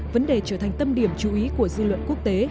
vấn đề trở thành tâm điểm chú ý của dư luận quốc tế